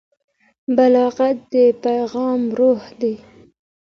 بلاغت د پیغام روح دی.